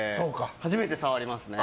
初めて触りますね。